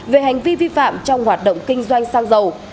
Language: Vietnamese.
về hành vi vi phạm trong hoạt động kinh doanh xăng dầu